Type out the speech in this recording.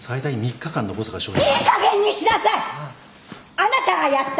あなたがやった！